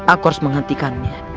aku harus menghentikannya